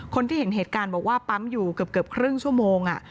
คนที่เห็นเหตุการณ์บอกว่าปั๊มอยู่เกือบครึ่งชั่วโมง